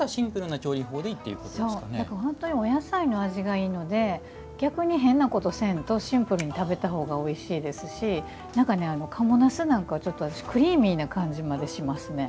本当にお野菜の味がいいので逆に変なことせんとシンプルに食べたほうがおいしいですし、賀茂なすなんかクリーミーな感じまでしますね。